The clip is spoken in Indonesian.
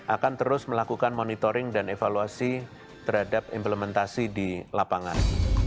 akan terus melakukan monitoring dan evaluasi terhadap implementasi di lapangan